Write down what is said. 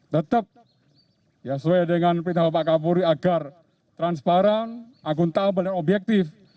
tetap ya sesuai dengan pindahan pak kapuri agar transparan aguntabel dan objektif